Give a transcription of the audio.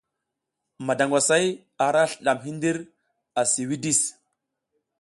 Madangwasay ara slidadm hidir a si widis.